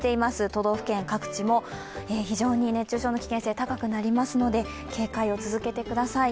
都道府県各地も、非常に熱中症の危険性が高くなりますので警戒を続けてください。